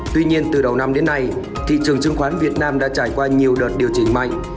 tuy nhiên từ đầu năm đến nay thị trường chứng khoán việt nam đã trải qua nhiều đợt điều chỉnh mạnh